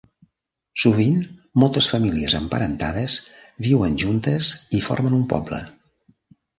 Sovint moltes famílies emparentades viuen juntes i formen un poble.